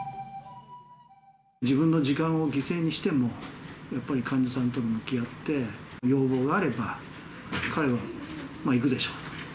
自分の時間を犠牲にしても、やっぱり患者さんと向き合って、要望があれば彼は行くでしょう。